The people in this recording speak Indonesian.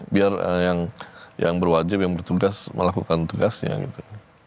biar yang berwajib yang bertugas melakukan tugasnya gitu